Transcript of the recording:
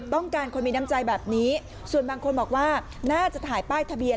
ต้องการคนมีน้ำใจแบบนี้ส่วนบางคนบอกว่าน่าจะถ่ายป้ายทะเบียน